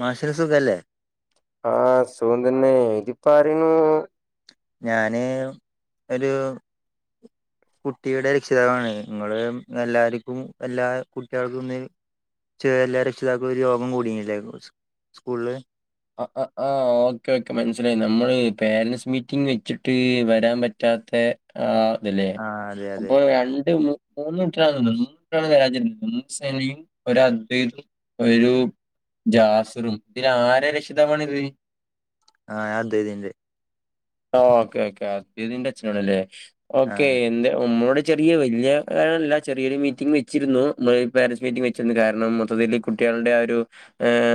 മാഷില സുഖ അല്ലേ ആഹ സുഖം തന്നെ ഇതിപ്പോ ആരാന്നു ഞാന് ഒരു കുട്ടിയുടെ രക്ഷിതാണ് നിങ്ങള് എല്ലർക്കും എല്ലാ കുട്ടികൾക്കും ഒന്ന് ചേരെല്ലാം രക്ഷിതാക്കുന്ന ഒരു രോഗം കൂടില്ലേ സ്കൂളില് ആ ആ. ഓക്കേ ഓക്കെ മനസ്സിലായി നമ്മള് പേരൻറ്സ് മീറ്റിംഗ് വെച്ചിട്ട് വരാൻ പറ്റാ ത്തെ ആ ഇതല്ലേ ആ അതെ അതെ അപ്പോ രണ്ട് മൂന്നൂട്ടി മൂന്നൂട്ടാണ് വരാജ മൂന്ന് സേനയും ഒ അദ്വൈതം ഒരു ജാസറും ഇതിൽ ആരെ രക്ഷിതമാണിത് ആഹ് യയാദ ഇത [unintelligible] ആ ഓക്കേ ഓക്കേ അദ്വൈതിന്റെ അച്ഛനാണല്ലേ ആ ഓക്കേ എന്റെ ഉമ്മടെ ചെറിയ വലിയ കാരണമല്ല ചെറിയൊരു മീറ്റിംഗങ് വെച്ചിരുന്നു പാരൻറ്സ് മീറ്റിംഗ് വെച്ചിരുന്നു കാരണം മൊത്തത്തില് കുട്ടിക കളുടെ ആ ഒരു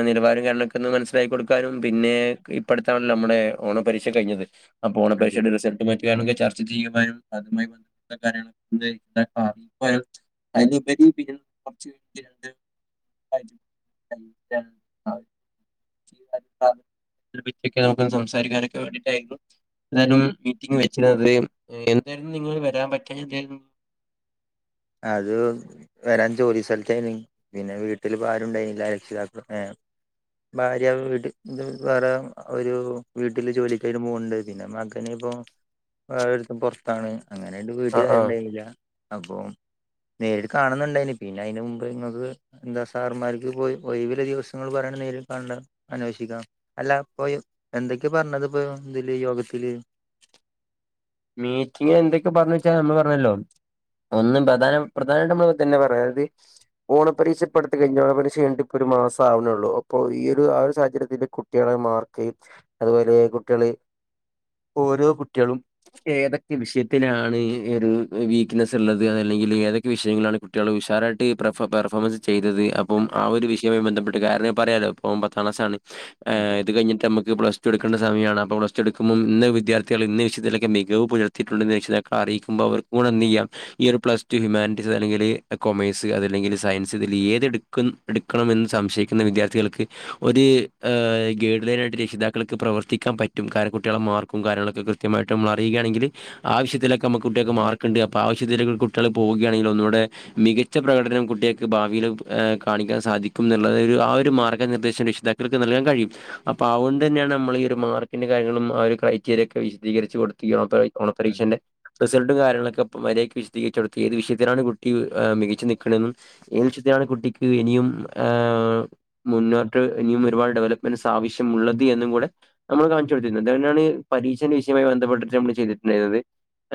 നിലവാരം കാര്യങ്ങളും ഒക്കെ ഒന്ന് മന ആക്കി കൊടുക്കാനും പിന്നെ ഇപ്പടുത്താണല്ലോ നമ്മുടെ ഓണ പരീക്ഷ കഴിഞ്ഞത് അപ്പോ ഓണ അതെ പരീക്ഷയുടെ അതെ റിസൾട്ട് മറ്റും ചർച്ച ചെയ്യുവാനും അതുമായി ബന്ധപ്പെട്ട കാര്യങ്ങളൊക്കെ ഇതൊക്കെ അറിയാനും അതിനുപരി പിന്നെ [unintelligible] കുറച്ചീണ്ട് [unintelligible] [unintelligible] നമുക്ക സംസാരിക്കാനൊക്കെ വേണ്ടിട്ടായിരുന്നു എതായാലും മീറ്റിംഗ് വെച്ചിരുന്നത് എന്തായിരുന്നു നിങ്ങ വരാൻ പറ്റാ എന്തായിരുന്നു [inaudible] അത് വരാൻ ജോലി സ്ഥലത്തായി പിന്നെ വീട്ടില് ആരുണ്ടായില്ല രക്ഷിതാക്കൾ ഭാര്യ വീട്ടിൽവേറെ ഒരു വീട്ടില് ജോലിക്കായിട്ട് പോണ്ട് പിന്നെ മകനെ അപ്പൊ പുറത്താണ് അങ്ങനൊയിട്ട് ആഹ് ആഹ് വീട്ടുകാരുണ്ടായില്ല അപ്പൊ നേരിട്ട് കാണുന്നുണ്ടായിന് പിന്നെ അതിന് മുമ്പ് നിങ്ങൾക്ക് എന്താ സാർമാർക്ക് ഒഴിവുള്ള ദിവസങ്ങൾ പറയ നേരി കണ്ട അന്വേഷിക്കാം അല്ല ഇപ്പൊ എന്തൊക്കെയ പറഞ്ഞത് ഇപ്പോ ഇതില് യോഗത്തില് [inaudible] മീറ്റിംഗ് എന്തൊക്കെ പറഞ്ഞ വെച്ചാൽ നമ്മൾ പറഞ്ഞല്ലോ ഒന്നും പ്രധാന പ്രധാനമായിട്ട നമ്മ തന്നെ പറയാ അതായത് ഓണ പരീക്ഷപ്പെടുത്ത കഴിഞ്ഞഓരീ ഒരു മാസം ആവണള്ളൂ അപ്പൊ ഈ ഒരു ആ ഒരു സാഹചര്യത്തിന്റെ കുട്ടികളെ മാർക്ക് അതുപോലെ കുട്ടികള് ഓരോ കുട്ടികളും ഏതൊക്കെ വിഷയത്തിലാണ് ഒരു വീക്ക്നെസ് ഉള്ളത് അതല്ലെങ്കിൽ ഏതൊക്കെ വിഷയങ്ങളാണ് കുട്ടികൾ ഹഷാറായിട്ട് പർഫ പെർഫോമൻസ് ചെയ്തത് അപ്പം ആ ഒരു വിഷയമായി ബന്ധപ്പെട്ട് കാരണം പറമല്ലോ പോപ്പോം പത്ത് ക്ാസാണ് അതെ ്ത് കഞ്ഞിട്ടമക്ക്്ലസ്ടുക്കണ്ട സമയമാണ് അപ്പോ പ്ലസ് ടു്പോ ഇന്ന് വിദ്യാർത്ഥികൾ ഇ വിയത്തില മികവ് പുലർത്തിയിട്ടുണ്ട് അറിയിക്കുമ്പോ അവർക്ക് ചെയ്യാം പ്ലസ് ഹറ്റസ് അല്ലെങ്ക കൊമേഴ്സ് അതല്ലെങ്കിൽ സയൻസ് ഇതിൽ ഏത് എടുക്കുന്ന എടുക്കണമെന്ന് സംശയിക്കുന്ന വിദ്യാർത്ഥികൾക്ക് ഒരു ് ഗേഡ്ൈനായിട്ട് രക്ഷിതാക്കൾക്ക് പ്രവർത്തിക്കാൻ പറ്റും കാരണം കുട്ടികളെ മാർക്കും കാര്യങ്ങളൊക്കെ കൃത്യമായിട്ട് മറ്റ അറിയുകയാണെങ്കിൽ ആവശ്യത്തിലൊക്കെ നമ്മ കുട്ടികൾക്ക് മാർക്കുണ്ട് അപ്പൾ ആവശ്യ കുട്ടികൾ പോകയാണെങ്കിൽ ഒന്നൂടെ മികച്ച പ്രകടനം കുട്ടികൾക്ക് ഭാവിയിൽ കാണിക്കാൻ സാധിക്കും എന്നുള്ളത് ആ ഒരു മാർഗനിർദ്ദേശം രക്ഷ ാക്കക്ക് നൽാൻ കഴിയും അപ്പൊ അതൊണ്ട് തന്നെയാണ് നമ്മഈ ഒരു മാർിന്റെ കാര്ങ്ങളും ആ ഒരു ക്രറ്റീരിയ ഒക്കെ വിശദീകരി ഓണ അതെ പരീക്ഷന്റെ റിസൾട്ട് ും കാര്ങ്ങളൊക്കെ മര്യാക്ക് വിശദീകരിച്ചടുത്ത് ഏത് വിഷയത്തിലാണ് കുട്ടി് മികു നൽക്കുന്നതെന്നും ഏത് വിഷയത്തിലാണ് കുട്ടി ിയ മുന്നോട്ട് ഇനിയും ഒരുപാട് ഡെവലപ്മെന്റ്സ് ആവശ്യമ ഉുള്ളത് എന്നും കൂടെ നമ്മള് കാണിച്ചു കൊടുത്തിുന്നത് അാണ് പരീക്ഷണ വിഷയമായി ബന്ധപ്പെട്ടിട്ട് നമ്മള് ചെയ്തിട്ടുണ്ടായിരുന്നത്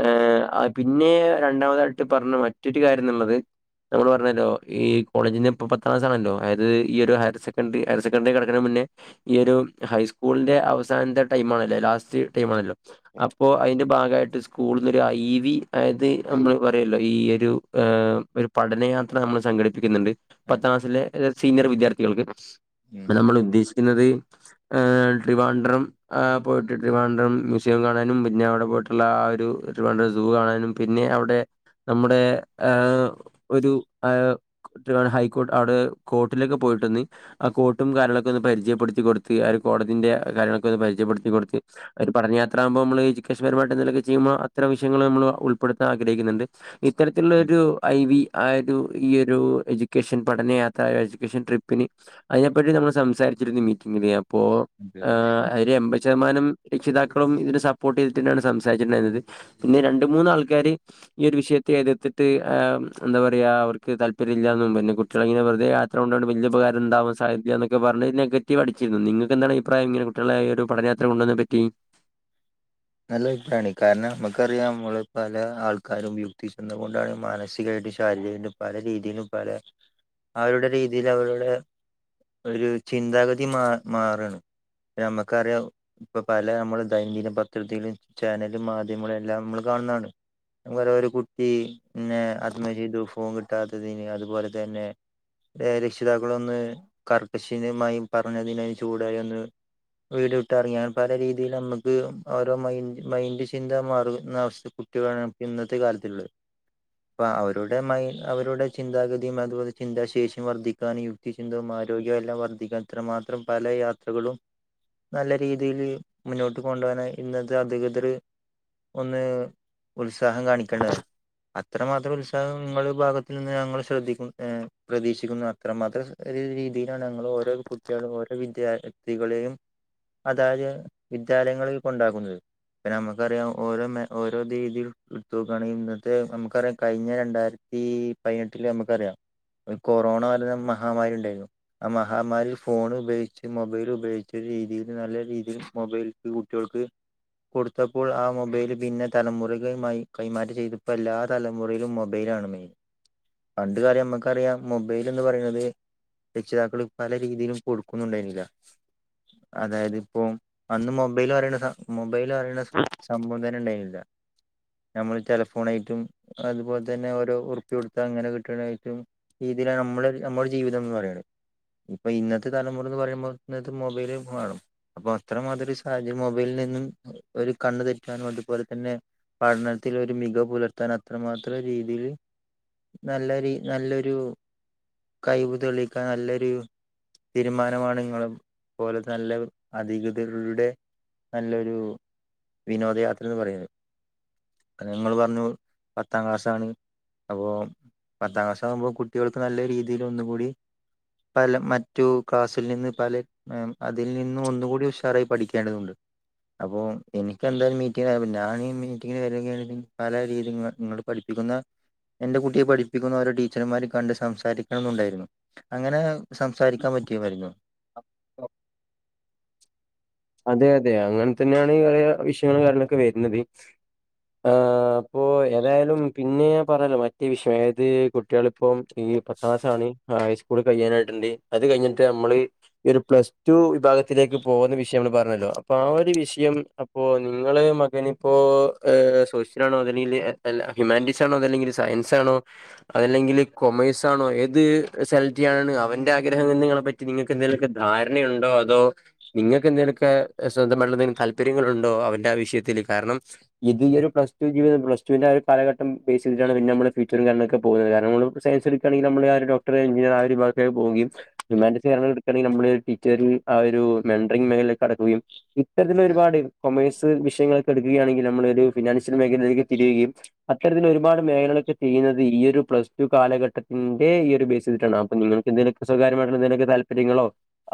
ഏർ പിന്നെ രണ്ടാമതായിട്ട് പറഞ്ഞ മറ്റൊരു കാര്യം എന്നുള്ളത് നമ്മൾ പറഞ്ഞല്ലോ ഈ കോളേജ നിന്ന് ഇ പത്താംക്ഥണല്ലോ അത് ഈ ഒരു ഹയർ സെക്കൻഡറി ഹയർ സെക്കൻഡറി കടക്ക മുന്നേ ഈ ഒരു ഹൂ സ്കൂളിന്റെ അവസാനത്തെ ടൈ ആണല്ലോ ലാസ്റ്റ് ടൈം ആണല്ലോ അപ്പോൊ അതിന്റെ ഭാഗമായിട്ട് സ്കൂളിൽന്ന് ഒരു ഐ വി അത് നമ്മള് പറയല്ലോ ഈ ഒരു ഒരു പഠന യാത്ര നമ്മൾ സംഘടിപ്പിക്കുന്നുണ്ട് അതെ പത്താം ക്ലാസിലെ സീനിയർ വിദ്യാർത്ഥികൾക്ക് ഉം നമ്മൾ ഉദ്ദേശ ുന്നത്് ട്രിവാൻഡ്രം പോയിട്ട് ട്രിവാഡ്രം വിഷയം കാണാനും പിന്നെ അവിടെ പോയിട്ടുള്ള ആ ഒരു ൂ കാണാനും പിന്നെ അവിടെ നമ്മുടെ ഹ ഒരു ഹൈക്കോ് അവിടെ കോട്ടിലൊക്കെ പോയി കോർട്ടും കാര്യങ്ങളൊക്കെ ഒന്ന് ആ കോട്ടും പരിചയപ്പെടുത്തി കൊടുത്ത് ആ കോടതിന്റെറെ കാര്യങ്ങളൊക്കെ ഒന്ന് പരിചയപ്പെടുത്തി കൊടുത്ത് അവര് പറഞ്ഞ അത്ര ആുമ്പോ നമ്മള് എജ്യക്കേഷൻ പരുമായിട്ട എന്തൊക്കെ ചെയ്യുമ്പോൾ അ വിയങ്ങള നമ്മ ഉൾപ്പെടുാൻ ആഗ്രഹിക്കണ്ട് ഇത്തരത്തിലുള്ള ഉം, ഒരു ഐ വി ആ ഒരു ഈയ ഒരു എഡ്യൂക്കേഷൻ പഠനയാത്ര എഡ്യൂക്കേഷൻ ട്രിപ്പി അതിനെപ്പറ്റി നമ്മൾ സംസാരിച്ചിരുന്നു മീറ്റിംഗില് അപ്പോ അതെ അതെ. അതില് എൺപത് ശതമാനം രക്ഷിതാക്ക- ഇഴും ഇതിനന് സപ്പോർട്ട് ചെയ്തിട്ടുാണ് സംസാരിച്ചിട്ടുണ്ടായിരുന്നത് പിന്ന രണ്ട് മൂന്നന്ന് ആൾക്കാര് ഈ ഒരു വിഷയത്തെതി എന്താ പറയാ അവർ താല്പര്യമല്ലയും പിന്നെ കുട്ടികളിങ്ങനെ വെറതെ യാത്ര ഉണ്ട കൊണ്ട് വലിയ ഉപകാരം ഇണ്ടാവുക - സാഹിത്യ പറഞ്ഞ നെഗറ്റീവ് അടിച്ചിരുന്നു നിങ്ങക്ക് എന്താണ് അഭിപ്രായം ഇങ്ങന കുട്ടികളെ ഒരു പഠനയാത്ര കൊണ്ടുവന്ന പറ്റി- നല്ല അഭിപ്രായമാണ് കാരണം നമുക്കറിയാം നമ്മള് പല ആൾക്കാരും യുക്തി ചെന്നുകൊണ്ടാണ് മാനസിക- ശാരീരികും പല രീതിയിലും പല അവരുടെ രീതിൽ അവരുടെ- ഒരു ചിന്താഗതി മാറാണ് നമ്മുക്കറിയാം ഇപ്പൊ പല നമ്മള് ദൈനദിന പ- ചാനലും മാധ്യമങ്ങളും എല്ലാം നമ്മൾ കാണുന്നതാണ് വേറെ ഒരു കുട്ടിന്നെ ആത്മഹത്യ ചെയ്തു ഫോൺ കിട്ടാത്തതിന് അതുപോലെ തന്നെ- രക്ഷിതാക്കള ഒന്ന് കർക്കശിനമായി പറഞ്ഞതിനതിന് ചൂടായി ഒന്ന്- വീട് ഇട്ടറങ്ങിയൻ പല രീതിൽ നമ്മുക്ക്- ഓരോ മൈൻഡ് ചിന്ത മാറുന്ന അവസ്ഥ കുട്ടികളാണ് ഇപ്പോ ഇന്നത്തെ കാലത്തുള്ളത് അപ്പ അവരുടെ മൈ അവരുടെ ചിന്താഗതിയും അതുപോലെ ചിന്താശേഷിയും വർദ്ധിക്കാനും യുക്തിചിന്ത- ആരോഗ്യം എല്ലാം വർദ്ധിക്കാ മാത്രം പല യാത്രകളും- നല്ല രീതിയില് മുന്നോട്ട് കൊണ്ടുപോകാൻ ഇന്നത്തെ അധികൃതർ - ഒന്ന് ഉത്സാഹം കാണിക്കണ് അത്രമാത്രം ഉത്സാഹം നിങ്ങളുടെ ഭാഗത്തിൽ നിന്ന് ഞങ്ങൾ ശ്രദ്ധിക്കുന്നു, പ്രതീക്ഷിക്കുന്നു അത്രമാത്രം ഏത് രീതിയിൽ ഞങ്ങൾ ഓരോ കുട്ടികളും ഓരോ വിദ്യാർത്ഥികളെയും അതായത് വിദ്യാലയങ്ങളിൽ- ഉണ്ടാക്കുന്നത് ഇപ്പെ നമുക്കറിയാം ഓരോ മ ഓരോ രീതിയിൽ വച്ചു നോക്കുവാണെങ്കിൽ ഇന്നത്തെ നമുക്കറിയാം കഴിഞ്ഞ രണ്ടായിരത്തി- ഈ പയിനട്ടല്ലത് നമ്മക്കറിയാ. കൊറോണ വരുന്ന മഹാമാരി ഉണ്ടായിരുന്നു ആ മഹാമാരി ഫോൺ ഉപയോഗിച്ച് മൊബൈൽ ഉപയോഗിച്ച് രീതില് നല്ല രീതില് മൊബൈൽട കുട്ടികൾക്ക് കൊടുത്തപ്പോൾ ആ മൊബൈല് പിന്നെ തലമുറ കൈ കൈമാറ്റം ചെയ്ത് ഇപ്പോ എല്ലാ തലമുറയിലും മൊബൈൽ മെയിൻ പണ്ട് കാലം നമ്മുക്കറിയാം മൊബൈല്ന്ന് പറിണത് രക്ഷിതാക്കൾ പല രീതിയിലും കൊടുക്കുന്നുണ്ടായിരുന്നില്ല. അതായത് ഇപ്പോ അന്ന് മൊബൈല് പറയ്ണ സംഭവം തന്നെ ഉണ്ടായിന്നില്ല. [inaudible] നമ്മൾ ടെലഫോണായിട്ടും അതുപോലെ തന്നെ ഓരോ റു പ്പിയാ കൊടുത്താ ങ്ങനെ കിട്ട്ണായിട്ടും ഇതി നമ്മളരു നമ്മുടെ ജീവിതംന്ന് പറയണ്. ഇപ്പൊ ഇന്നത്തെ തലമുറ എന്ന് പറയുമ്പോൾ ഇന്നത്തെ മൊബൈല് വേണം അപ്പൊ അത്രമാതിരി സ് മൊബൈലിൽ നിന്നും ഒരു കണ്ണ് തെറ്റാനും അതുപോലെ തന്നെ പഠനത്തിൽ ഒരു മികവ് പുലർത്ത അത്രമാത്ര രീതിയില് നല്ല രീ നല്ലൊരു കഴിവ് തെളിക്കാൻ നല്ലരു തീരുമാനമാണ് നിങ്ങളും പോലെ നല്ല അധികൃതരുടെ നല്ലൊരു വിനോദയാത്രാന്ന് പറയുന്നത്. ഞങ്ങള് പറഞ്ഞു പത്താം ക്ലാസ്സാണ് അപ്പോ പത്താം ക്ലാസ്സാകുമ്പോ കുട്ടികൾക്ക് നല്ല രീതിയിൽ ഒന്നുകൂടി പല മറ്റു ക്ലാസ്സിൽ നിന്ന് പല അതിൽ നിന്നും ഒന്നുകൂടി ഉഷാറായി പഠി പഠിക്കേണ്ടതുണ്ട്. അപ്പോ എനിക്ക് എന്തായാലും മീറ്റിംഗ് ഞാനീ മീറ്റിംഗന് വരങ്കി പല രീതി നിങ്ങൾ പഠിപ്പി എന്റെ കുട്ടിയെ പഠിപ്പിക്കുന്ന ഓരോ ടീച്ചർമാരെയും കണ്ട് സംസാരിക്കണം എന്നുണ്ടായിരുന്നു അങ്ങനെ സംസാരിക്കാൻ പറ്റിയമായിരുന്നു. അതെ അതെ അങ്ങനെ തന്നെയാണ് കുറേ വിഷയങ്ങളും കാര്യങ്ങളൊക്കെ വരുണത്. ആ അപ്പൊ ഏതായാലും പിന്നെ ഞാൻ പറഞ്ലേ മറ്റേ വിഷയം അതായത് കുട്ടികളിപ്പം ഈ പത്താം ക്ലാസാണ് ഹൈസ്കൂള് കഴിയാനായിട്ടുണ്ട് അത് കഴിഞ്ഞിട്ട് നമ്മള് ഒരു പ്ലസ് ടു വിഭാഗത്തി അത്‌ലേക്ക് പോകുന്ന് വി റ്റി നമ്മൾ പറഞ്ഞല്ലോ അപ്പൊ ആ ഒരു വിഷയം അപ്പോ നിങ്ങള് മകനി ഇപ്പോ ഹ് സോശിലാണോ അതല്ലെങ്കില് ഹ്യുമാനിറ്റിസ് ആണോ അതല്ലെങ്കില് സയൻസ് ആണോ അതല്ലെങ്കില് കൊമേഴ്സ് ആണോ ഏത് സെലക്ട് ചെയ്യാനാണ് അവന്റെ ആഗ്രഹംന്ന് ങ്ങളെ പറ്റി നിങ്ങൾക്ക് എന്തെങ്കലൊക്കെ ധാരണയുണ്ടോ അതോ നിങ്ങ ൾക്ക് സ്വന്തമായിട്ട് എന്തെങ്കും താല്പര്യങ്ങളുണ്ടോ അവന്റെ ആ വിഷയത്തിൽ കാരണം ഇത് ഈ ഒരു പ്ലസ് ടു ജീവിത പ്ലസ് ടു വിന്റെ ആ ഒരു കാലഘട്ടം ബേസ് ചെയ്തിട്ടാണ് പിന്നെ നമ്മള് ഫ്യൂച്ചറും കാര്യങ്ങളൊക്കെ പോകുന്നത് കാരണം നമ്മൾ സയൻസ് എടുക്കയാണെങ്കിൽ നമ്മൾ ആ ഒരു ഡോക്ടർ എൻജിനീയർ ആ ഒരു വിഭാഗത്തേക്ക് പോവുകയും ഹ്യുമാന്റിസ് കാര്യങ്ങൾ എടുക്കുകയാണെങ്കില് നമ്മള് ടീറ്ററിൽ ആ ഒരു മെൻടറി മേഖലേക്ക് കടക്കുകയും ഇത്തരത്തിൽ അതെ ഒരുപാട് കൊമേഴ്സ് വിഷയങ്ങളിൽ എടുക്കുകയാണെങ്കിൽ നമ്മള് ഒരു ഫിനാൻഷ്യൽ മേഖലയിലേക്ക് തിരിയികയും അത്തരത്തിലൽ ഒരുപാട് മേഖലകളൊക്കെ ചെയ്യുന്നത് ഈ ഒരു പ്ലസ് ടു കാലഘട്ടത്തിന്റെ ഈ ഒരു ബേസ് ചെയ്ട്ടാണ് അപ്പൊ നിങ്ങൾ എന്തങ്കിലൊക്കെ സ്വകാര്യമായിട്ടുള്ള എന്തെങ്കിലൊക്കെ താല്പര്യങ്ങളോ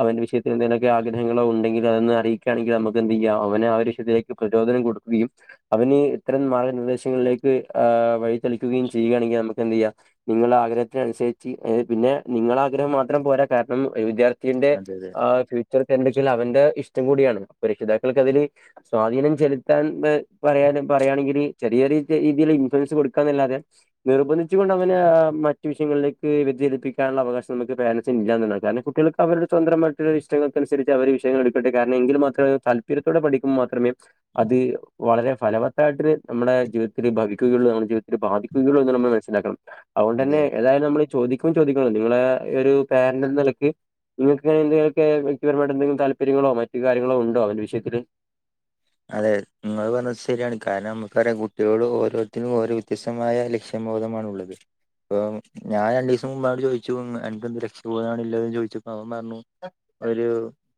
അവൻ വിഷയത്തിൽ എന്തെങ്കിലൊക്കെ ആഗ്ര ഹങ്ങളോ ഉണ്ടെങ്കിൽ അതന്ന് അറീക്കാണെങ്കിൽ നമുക്ക് എന്ത് ചെയ്യാ അവന് ആ വിഷയത്തിലേക്ക് പ്രചോദനം കൊടുക്കുകയും അവന് ഇത്തരം മാർഗ്ഗനിർദ്ദേശങ്ങളിലേക്ക് ഹ് വഴിതെളിക്കുകയും ചെയ്യുകയാണെങ്കിൽ നമുക്ക് എന്ത് ചെയ്യാം നിങ്ങളെ ആഗ്രഹത്തിന് സരിച്ച് പിന്നെ നിങ്ങളെ ആഗ്രഹം മാത്രം പോരാ കാരണം വിദ്യാർത്ഥിയിന്റെ അതെ അതെ അതെ അതെ ഹാ ഫ്യൂ അടുക്കല് അവന്റെ ഇഷ്ടം കൂടിയാണ് അപ്പോ രക്ഷിതാക്കൾക്ക് അതില് സ്വാധീനം ചെലുത്താൻ പറയാനും പാ പറയാണെങ്കിൽ ചെറിയരു രീതിൽ ഇൻഫ്ലുവൻസ് കൊടുക്കാന്നല്ലാതെ നിർബന്ധിച്ചുകൊണ്ട് അവനെ മറ്റു വിഷയങ്ങൾ ക്ക് പ്രചരിപ്പിക്കാനുള്ള അവകാശം നമുക്ക് പേരൻസിന് ഇല്ല കാരണം കുട്ടികൾക്ക് അവരുടെ സ്വന്ത്രമായിട്ടുള്ളരു ഇ ഷ്ട്ടങ്ങൾനുസരിച്ച് അവര് വിഷയങ്ങൾ എടുക്കട്ടെ കാരണം എങ്കിൽ മാത്രേ താല്പര്യത്തോടെ പഠിക്കുബോൾ മാത്രമേ അത് വളരെ ഫലവത്തായിട്ട് നമ്മുടെ ജീവിത്തില് ഭവിക്കുകയുള്ളൂ നമ്മുടെ ജീവിതത്തില് ബാധിക്കുകയുള്ളൂ എന്ന് നമ്മൾ മനസിലാക്കണം. അതുകൊണ്ട് അതെ തന്നെ അതെ ഏതായാലും നമ്മള് ചോദിക്കും ചോദി ക്കും നിങ്ങളെ ഒരു പാരന്റന്ന് നിലക്ക് നിങ്ങൾക്ക് അയിന് ക്കെ വ്യക്തിപരമായിട്ട് എന്തെങ്കിലും താല്പര്യങ്ങളോ മറ്റു കാര്യങ്ങളോ ഉണ്ടോ അവന്റെ വിഷയത്തിത്തില്. അതെ ങ്ങൾ പറഞ്ഞത് ശരിയാണ് കാരണം നമുക്ക് അറയാ കുട്ടികള് ഓരോരുത്തരും ഓരോ വ്യത്യസ്തമായ ലക്ഷ്യം സമ്മോദമാണ് ഉള്ളത് അപ്പ ഞാൻ ര ണ്ട് ദിവസം മുമ്പോട്അവനോട് ചോിച്ചു പോ എനക്ക് എന്ത് രക്ഷപോധണല്ലോന്ന് ചോദിച്ചപ്പോ പറഞ്ഞു ഒരു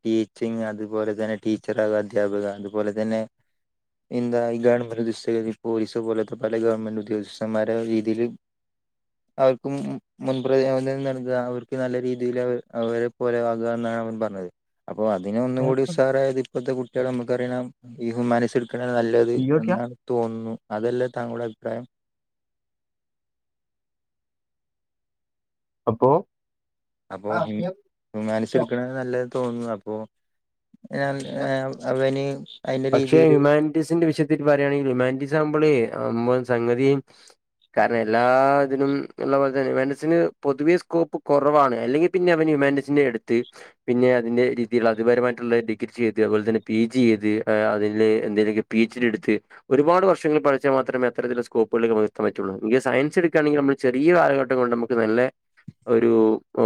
ടീച്ചിങ് അതുപോലെ തന്നെ ടീച്ചർാക അധ്യാപക അതുപോലെ തന്നെ എന്താ ഗവൺമെന്റ് ഉദ്യസ്ഥതി പോലീസ് പോലത്തെ പല ഗവൺമെന്റ് ഉദ്യോഗസ്ഥന്മാരുടെ രീതിയിൽ അവർക്ക് മുൻപ്രതിോധം നൽകുക അവർക്ക് നല്ല രീതിയിൽ അവർ അവരെ പോലെ ആകുകഎന്നത് പറ ഞ്ഞത് അപ്പോ അതിനൊന്ന കൂടി ഉസാറായത് ഇപ്പോഴത്തെ കുട്ടികൾ നമുക്കറിയുന്ന ഹുമനിസ് എടുക്കുണനല്ലത് എന്നാണ് തോന്നുന്നു അതെല്ലാം തകളുടെ അഭിപ്രായം അപ്പോ അപ്പൊ ഹു മാനസ് എടുക്കണ നല്ല തോന്നുന്നു അപ്പോ ങ്ങ് അവനി പക്ഷെ ഹ്യുമാനിറ്റിസിന്റെ വിഷയത്തിൽ പറയുകയാണെങ്കിൽ ഹ്യുമാറ്റീസ ആമ്പോളേ അവുമ്പോ സംഗതിയും കാരണം എല്ലാ ഇതിനും ഉള്ളപലെ തന്നെ ഹു മെൻസിന് പൊതുവെ സ്കോപ്പ് കുറവാണ് അല്ലെങ്കിൽ പിന്നെ അവന് മാനേജന്റെ എടുത്ത് പിന്നെ അതിന്റെ ഹ്യൂമൻസിന്റെ എടുത്തു രീതിൽ അതിപരമായിട്ടുള്ള ഡിഗ്രി ചെയ്ത് അതുപോലെ തന്നെ പി ജി ചെയ്ത് അതില് എന്തേലെ പി എച്ച് ഡി എടുത്ത് ഒരുപാട്വ ർഷങ്ങൾ പഠിച്ചാൽ മാത്രമേ അത്രത്തിലുള്ള സ്കോപ്പുകൾ എത്താൻ പറ്റുക യോ ള്ളൂ സയൻസ് എടുക്കുകണങ്കിൽ നമ്മള് ചെറിയ കാലഘട്ടം കൊണ്ട് നമക്ക് നല്ല ഒരു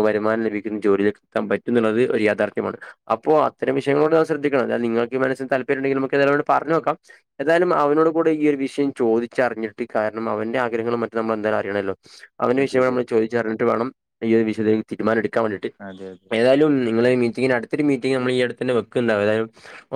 വരുമാനം ലഭിക്കുന്ന ജോലി ഒരു വരുമാനം ലഭിക്കുന്ന ജോലിയിൽ എത്താൻ പറ്റുന്നു ള്ളത് ഒരു യാഥാർത്ഥ്യമാണ് അപ്പോ അത്തരം വിഷയങ്ങ നമ്മൾ ശ്രദ്ധിക്കണം ഞാൻ നിങ്ങൾക്ക് ഹുമ എന്തെങ്കിലും ഒക്കെ പറ ഞ് നോക്കാം എന്തായാലും അവനോട് കൂടെ ഈ ഒരു വിഷയം ചോദിച്ചറിഞ്ഞിട്ട് കാരണം അവന്റെ ഒരു ആഗ്രഹങ്ങളും മ റ്റും നമ്മൾ എന്തായാലും അിയണമല്ലോ അവന്റെ വിഷ അതെ ന അതെ മ്മൾ ചോദിച്ചറിഞ്ഞിട്ട വണം ഈ വി ഷ യ ത്തിൽ തീരുമാന എടുക്കാൻ വേണ്ടിട്ട് അതെ അതെ ഏതായാലും നിങ്ങൾ മീറ്റിന്റെ അടു ത്ത് ഒരു മീററ്റിങ് നമ്മൾ വെക്കണ്ടും അതായ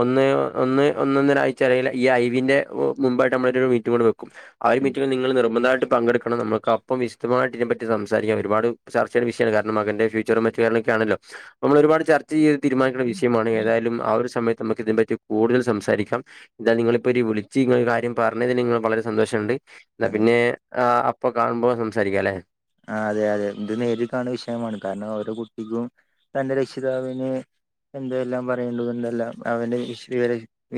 ഒന്ന് ഒന്ന് ഒന്ന ഒന്നിന ആഴ്ച അറയില്ല ഈ ഒന്ന് ഒന്നര ആഴ്ച ഈ ഐവിന്റെ മുമ്പായിട്ട് നമ്മ മീറ്റ് കൊടെ വെക്കും ആ ഒരു മീറ്റി നിങ്ങൾ നി മുതായിട്ട് പങ്കെടുക്കണം നമുക്ക അപ്പം വിശദ്ധമായിട്ട്പങ്കെടുക്കണം നമ്മുക്ക് അപ്പോ വിശദമായി ഇതിനെ പറ്റി സംസാരിക്കാ ഒരുാ ചർച്ചയുടെ വിഷയമാണ് കാരണം മകന്റെ ഫ്യൂച്ചർ മ കേരളൊക്കെയാണല്ലോ നമ്മൾ ഒരുപാട് ആണല്ലോ ഒരുപാട് ചർച്ച ചെയ്ത് തീരുനിക്കണ്ട വിഷയമാണ് ഏതായാലും ആ ഒരു സമയത്ത് നമുക്ക ഇതിനെ പറ്റി കൂടുതൽ സംസാരിക്കാം ഇാ കൂടുതൽ സംസാരികാം ഇതാ നിങ്ങളിപ്പോൾര് വിളിച്ച്ങ്ങ കാര്യം പറഞ്ഞതിന് നിങ്ങൾ വളരെ സന്തോഷമുണ്ട് എന്നാ അതെ പിന്നെ അപ്പൊ കാണുമ്പോ സംസാരിക്കാം ല്ലേ അതെ അതെ ഇത് നേരി കാണുന്ന വിഷയമാണ് കാരണം ഓരോ കുട്ടിക്കും തന്റെ രക്ഷിതാവിന് എന്തെല്ലാം പറയേണ്ടതുന്തെല്ലാം എന്ത് എല്ലാം പറയുന്നത് എല്ലാം അവന്റെ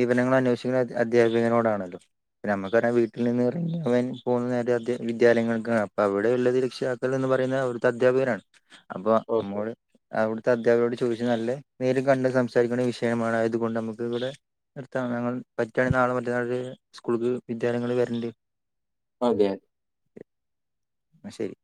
വിവരങ്ങൾ അന്വേഷിക്കുന്ന അധ്യാപികനോടാണല്ലോ ന്നെ നമുക്കറിയൻ വീട്ടിൽ നിന്ന് ഇറങ്ങിയ പോകുന്ന നേരേ വിദ്യാലയങ്ങൾക്കാണ് അപ്പൊ അവിടെ ഉള്ള ഷോ ക്കന്ന് പറയുന്നത് അവിടുത്തെ അധ്യാപകനാണ് അപ്പൊ നമ്മ ഓക്കെ അവിടുത്തെ അദ്ധ്യാപകരോട് ചോദിച്ചു നല്ല നേരും കണ്ട് സംസാരിക്കുന്ന വിഷയമാണ്യതുകൊണ്ട് നമുക്ക് ഇവിടെ നിർത്ത ഞങ്ങൾ പറ്റിക യാണെങ്കിൽ നാളെ മറ്റേന്നാള തേക്ക് സ്കൂൾക്ക് വിദ്യാലയങ്ങളി ൽ വരണ്ട് അതെ ന്നാ ശരി